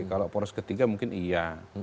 kalau poros ketiga mungkin iya